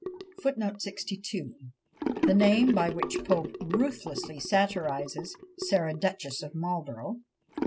FOOTNOTES: The name by which Pope ruthlessly satirized Sarah Duchess of Marlborough.